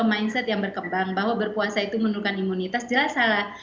mindset yang berkembang bahwa berpuasa itu menurunkan imunitas jelas salah